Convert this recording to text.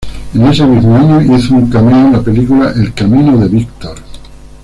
En ese mismo año, hizo un cameo en la película "El camino de Víctor".